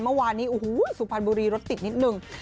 เมื่อวานนี้โอ้โหสุพรรณบุรีรถติดนิดนึง